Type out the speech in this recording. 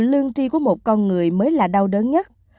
lương tri của một con người mới là đau đớn nhất